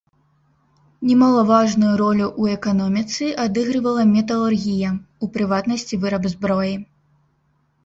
Немалаважную ролю ў эканоміцы адыгрывала металургія, у прыватнасці выраб зброі.